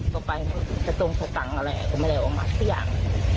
เอาไปตรงที่ต่างอะไรก็ไม่ได้ออกมาเอามายัง